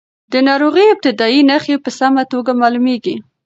د ناروغۍ ابتدايي نښې په سمه توګه معلومېږي.